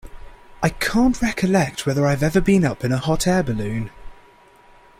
I can't recollect whether I've ever been up in a hot air balloon.